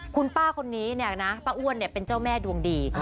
คุณป้าคนนี้เนี่ยนะป้าอ้วนเป็นเจ้าแม่ดวงดี